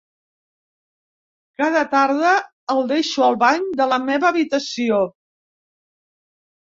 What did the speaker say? Cada tarda el deixo al bany de la meva habitació.